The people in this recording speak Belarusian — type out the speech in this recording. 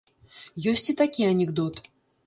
Ёсць і такі анекдот.